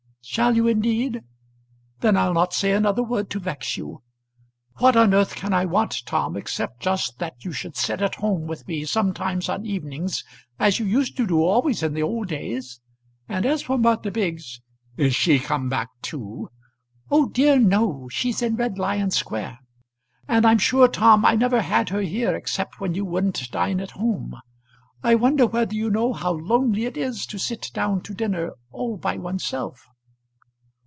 "Shall you indeed? Then I'll not say another word to vex you. What on earth can I want, Tom, except just that you should sit at home with me sometimes on evenings, as you used to do always in the old days? And as for Martha Biggs " "Is she come back too?" "Oh dear no. She's in Red Lion Square. And I'm sure, Tom, I never had her here except when you wouldn't dine at home. I wonder whether you know how lonely it is to sit down to dinner all by oneself!"